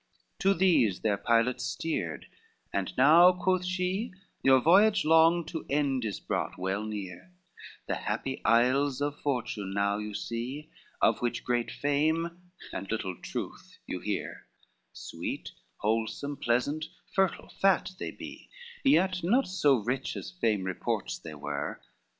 XXXVII To these their pilot steered, "And now," quoth she, "Your voyage long to end is brought well near, The happy Isles of Fortune now you see, Of which great fame, and little truth, you hear, Sweet, wholesome, pleasant, fertile, fat they be, Yet not so rich as fame reports they were."